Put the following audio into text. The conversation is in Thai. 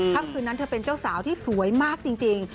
ค่ำคืนนั้นเธอเป็นเจ้าสาวที่สวยมากจริง